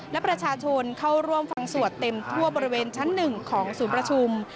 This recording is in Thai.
และประชาชนเข้าร่วมฟังสวดเต็มทั่วบริเวณชั้น๑ของศูนย์ประชุม